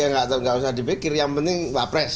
ya enggak enggak usah dibikir yang penting wapres